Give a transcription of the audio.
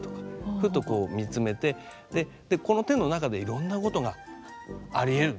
ふっとこう見つめてこの手の中でいろんなことがありえる。